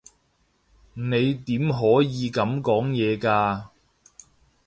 你點可以噉講嘢㗎？